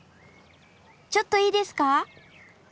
ちょっといいですか？